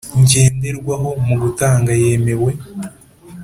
ngenderwaho mu gutanga yemewe